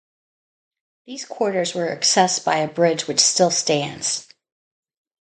These quarters were accessed by a bridge which still stands.